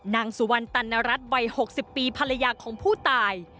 นางสุวรรณตันนรัฐวัย๖๐ปีภรรยาของผู้ตาย